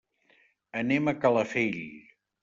Anem a Calafell.